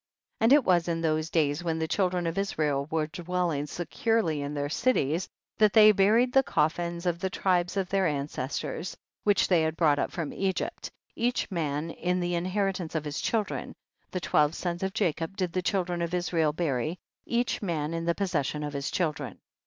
38. And it was in those days, when the children of Israel were dwelling securely in their cities, that they bu ried the coffins of the tribes of their ancestors, which they had brought up from Egypt, each man in the in heritance of his children, the twelve sons of Jacob did the children of Is rael bury, each man in the possession of his children.